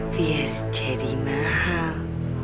biar jadi mahal